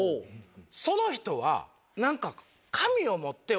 その人は何か。